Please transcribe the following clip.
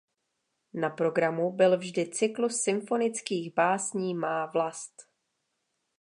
Na programu byl vždy cyklus symfonických básní Má vlast.